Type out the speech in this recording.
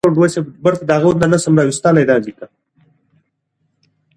د ښځینه تعلیم د سیمه ایزې ستونزو د حل لپاره لارې چارې برابروي.